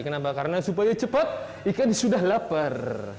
kenapa karena supaya cepat ikan sudah lapar